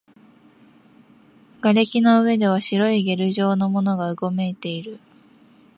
瓦礫の上では白いゲル状のものがうごめいている